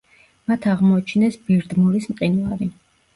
მათ აღმოაჩინეს ბირდმორის მყინვარი.